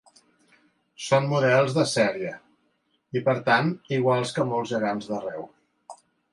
Són models de sèrie i, per tant, iguals que molts gegants d'arreu.